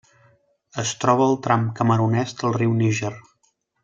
Es troba al tram camerunès del riu Níger.